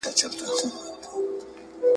چي دا ولي؟ راته ووایاست حالونه `